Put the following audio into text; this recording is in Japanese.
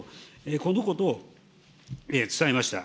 このことを伝えました。